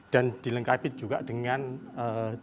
dan dilengkapi juga dengan tuner